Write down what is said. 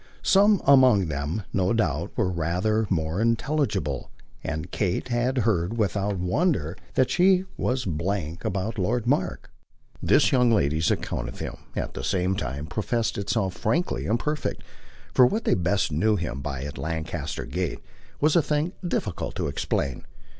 Some among them, no doubt, were rather more intelligible, and Kate had heard without wonder that she was blank about Lord Mark. This young lady's account of him, at the same time, professed itself frankly imperfect; for what they best knew him by at Lancaster Gate was a thing difficult to explain.